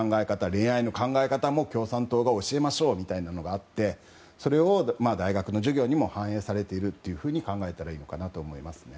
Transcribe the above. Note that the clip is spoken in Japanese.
恋愛の考え方も共産党が教えましょうみたいなのがあってそれを大学の授業にも反映されていると考えたらいいのかなと思います。